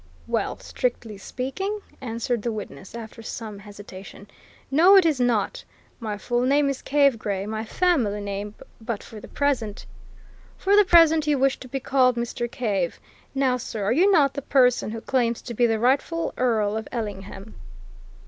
"Well, strictly speaking," answered the witness, after some hesitation, "no, it is not. My full name is Cave Gray my family name; but for the present " "For the present you wish to be called Mr. Cave. Now, sir, are you not the person who claims to be the rightful Earl of Ellingham?"